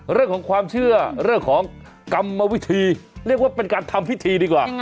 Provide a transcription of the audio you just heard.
เรื่องของความเชื่อเรื่องของกรรมวิธีเรียกว่าเป็นการทำพิธีดีกว่า